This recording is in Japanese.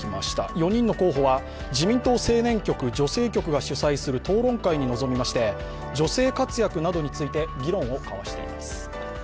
４人の候補は自民党青年局・女性局が主催する討論会に臨みまして女性活躍などについて議論を交わしています。